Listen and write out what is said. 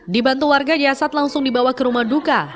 dibantu warga jasad langsung dibawa ke rumah duka